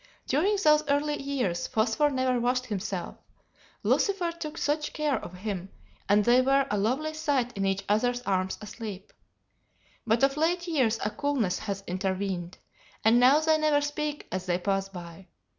During those early years Phosphor never washed himself, Lucifer took such care of him, and they were a lovely sight in each other's arms asleep. But of late years a coolness has intervened, and now they never speak as they pass by.